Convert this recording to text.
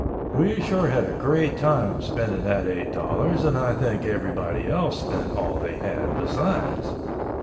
We sure had a great time spending that eight dollars and I think everybody else spent all they had besides.